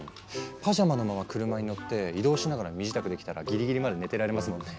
パジャマのまま車に乗って移動しながら身支度できたらギリギリまで寝てられますもんね。